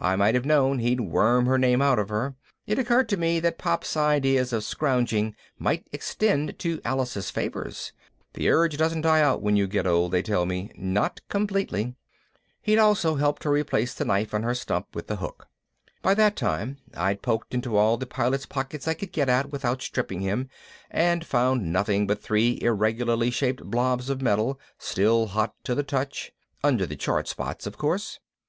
I might have known he'd worm her name out of her. It occurred to me that Pop's ideas of scrounging might extend to Alice's favors. The urge doesn't die out when you get old, they tell me. Not completely. He'd also helped her replace the knife on her stump with the hook. By that time I'd poked into all the Pilot's pockets I could get at without stripping him and found nothing but three irregularly shaped blobs of metal, still hot to the touch. Under the charred spots, of course.